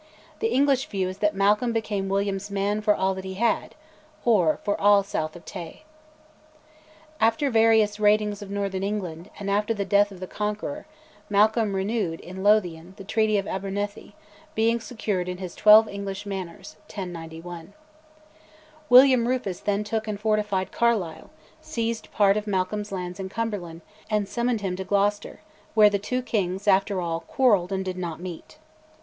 The English view is that Malcolm became William's "man for all that he had" or for all south of Tay. After various raidings of northern England, and after the death of the Conqueror, Malcolm renewed, in Lothian, the treaty of Abernethy, being secured in his twelve English manors (1091). William Rufus then took and fortified Carlisle, seized part of Malcolm's lands in Cumberland, and summoned him to Gloucester, where the two Kings, after all, quarrelled and did not meet.